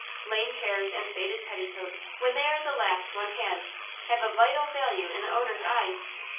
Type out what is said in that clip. Lame chairs and faded petticoats, when they are the last one has, have a vital value in the owner's eyes.